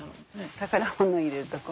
宝物入れるところ？